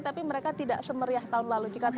tapi mereka tidak semeriah tahun lalu